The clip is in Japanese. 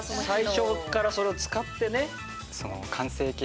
最初からそれを使ってね。